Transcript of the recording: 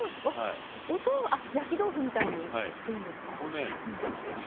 焼き豆腐みたいにしていいんですか。